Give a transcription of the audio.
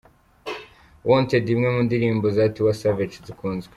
Wanted, imwe mu ndirimbo za Tiwa Savage zikunzwe.